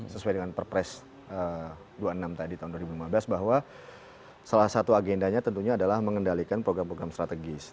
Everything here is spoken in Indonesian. sesuai dengan perpres dua puluh enam tadi tahun dua ribu lima belas bahwa salah satu agendanya tentunya adalah mengendalikan program program strategis